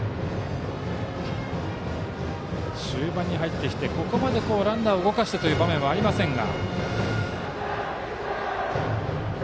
終盤に入ってきてここまでランナーを動かしてきてという場面はありませんが。